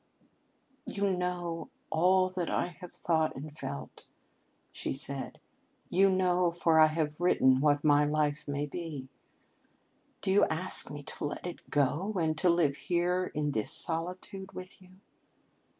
"You know all that I have thought and felt," she said; "you know for I have written what my life may be. Do you ask me to let it go and to live here in this solitude with you?"